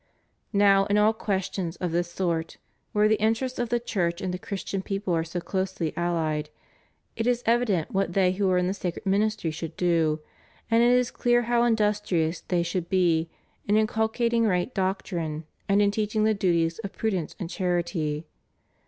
Now in all questions of this sort where the interests of the Church and the Christian people are so closely allied, it is evident what they who are in the sacred ministry should do, and it is clear how industrious they should be in inculcating right doctrine and in teaching the duties of prudence and charity.